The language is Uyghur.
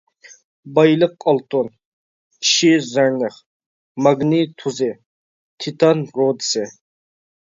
بايلىق ئالتۇن، چىشى زەرنىخ، ماگنىي تۇزى، تىتان رۇدىسى.